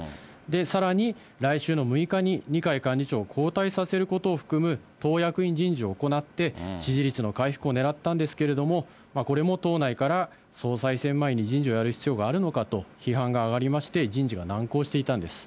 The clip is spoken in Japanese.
さらに来週の６日に二階幹事長を交代させることを含む党役員人事を行って、支持率の回復をねらったんですけれども、これも党内から総裁選前に人事をやる必要があるのかと批判が上がりまして、人事が難航していたんです。